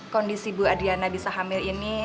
kondisi bu adiana bisa hamil ini